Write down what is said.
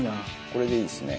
「これでいいですね」